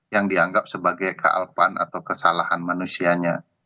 yang dianggap sebagai kealpan atau kesalahan manusianya